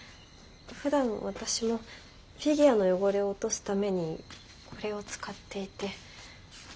ふだん私もフィギュアの汚れを落とすためにこれを使っていて。